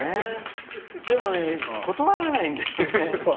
でも、断れないんだよね。